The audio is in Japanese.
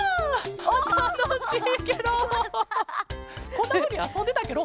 こんなふうにあそんでたケロ？